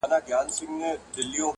و ماته به د دې وطن د کاڼو ضرورت سي,